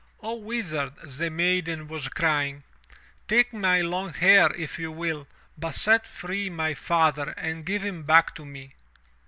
0 Wizard,'' the maiden was crying, take my long hair if you will, but set free my father and give him back to me."